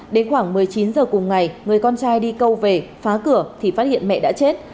đến khoảng một mươi chín h cùng ngày người con trai đi câu về phá cửa thì phát hiện mẹ đã chết